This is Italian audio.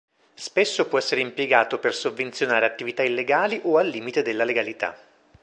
Spesso può essere impiegato per sovvenzionare attività illegali o al limite della legalità.